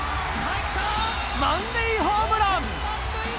満塁ホームラン。